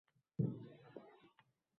Shunaqa ko‘rsatuvlar tomoshabinning didi